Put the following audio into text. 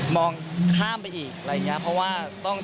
มองข้ามไปอีกอะไรอย่างนี้